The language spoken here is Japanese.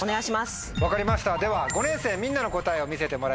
分かりました５年生みんなの答えを見せてもらいましょう。